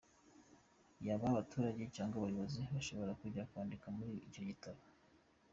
Yaba abaturage cyangwa abayobozi bashobora kujya kwandika muri icyo gitabo.